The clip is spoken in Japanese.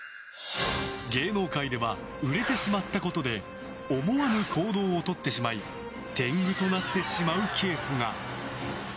芸能界では売れてしまったことで思わぬ行動をとってしまい天狗となってしまうケースが。